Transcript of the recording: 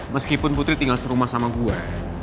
meskipun putri tinggal serumah sama gua